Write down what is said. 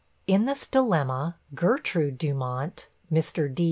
In this dilemma, Gertrude Dumont (Mr. D.'